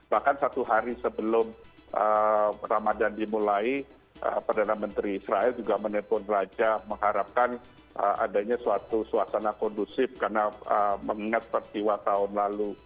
bahkan satu hari sebelum ramadan dimulai perdana menteri israel juga menelpon raja mengharapkan adanya suatu suasana kondusif karena mengingat peristiwa tahun lalu